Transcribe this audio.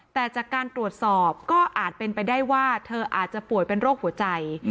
แต่จากการตรวจสอบก็อาจเป็นไปได้ว่าเธออาจจะป่วยเป็นโรคหัวใจ